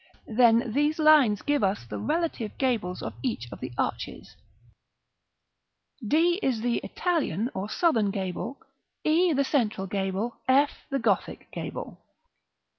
Then these lines give us the relative gables of each of the arches; d is the Italian or southern gable, e the central gable, f the Gothic gable.